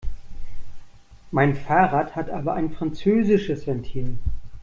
Mein Fahrrad hat aber ein französisches Ventil.